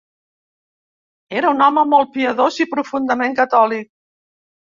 Era un home molt piadós i profundament catòlic.